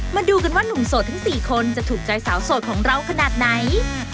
มาดูกันว่านุ่มโสดทั้ง๔คนจะถูกใจสาวโสดของเราขนาดไหน